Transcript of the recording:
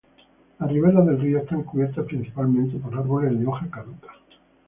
Las riberas del río están cubiertas principalmente por árboles de hoja caduca.